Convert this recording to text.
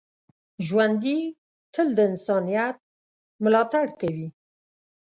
ژوندي تل د انسانیت ملاتړ کوي